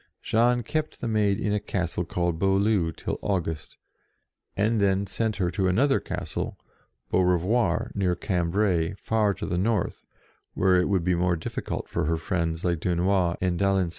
Jean kept the Maid in a castle called Beaulieu till August, and then sent her to another castle, Beaurevoir, near Cambrai, far to the north, where it would be more difficult for her friends like Dunois and d'Alenc.